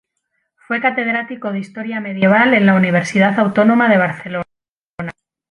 Fue catedrático de Historia Medieval en la Universidad Autónoma de Barcelona.